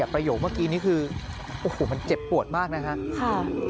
ประโยคเมื่อกี้นี้คือโอ้โหมันเจ็บปวดมากนะครับ